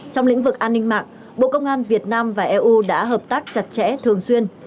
trong lĩnh vực an ninh mạng bộ công an việt nam và eu đã hợp tác chặt chẽ thường xuyên